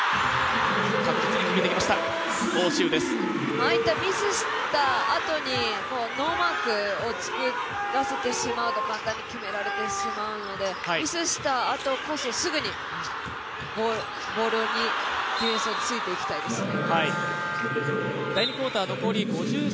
ああいったミスしたあとにノーマークを作らせてしまうと、簡単に決められてしまうので、ミスしたあとこそすぐにボールにディフェンスがついていきたいですね。